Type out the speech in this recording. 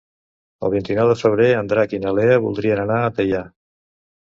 El vint-i-nou de febrer en Drac i na Lea voldrien anar a Teià.